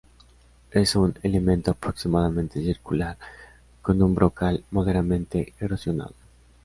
Es un elemento aproximadamente circular, con un brocal moderadamente erosionado.